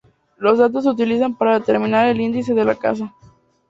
Los datos se utilizan para determinar el índice de la casa.